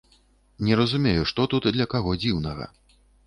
Не разумею, што тут для каго дзіўнага?